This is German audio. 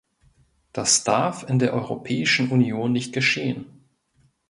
Das darf in der Europäischen Union nicht geschehen.